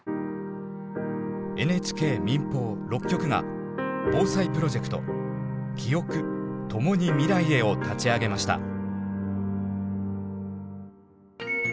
ＮＨＫ民放６局が防災プロジェクト「キオク、ともに未来へ。」を立ち上げました。